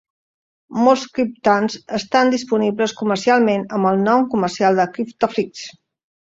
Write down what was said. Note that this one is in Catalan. Molts criptands estan disponibles comercialment amb el nom comercial de Kryptofix.